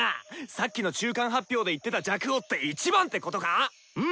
さっきの中間発表で言ってた「若王」って１番ってことか⁉うん。